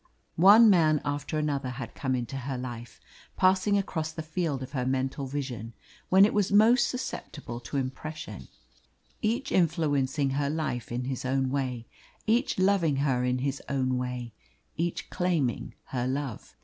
One man after another had come into her life, passing across the field of her mental vision when it was most susceptible to impression, each influencing her life in his own way, each loving her in his own way, each claiming her love.